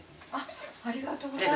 ありがとうございます。